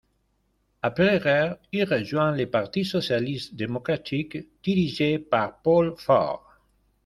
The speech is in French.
Après guerre, il rejoint le Parti socialiste démocratique, dirigé par Paul Faure.